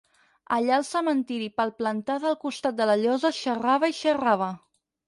Allà al cementiri, palplantada al costat de la llosa, xerrava i xerrava.